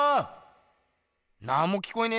なんも聞こえねえぞ。